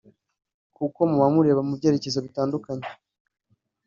kuko muba mureba mu byerekezo bitandukanye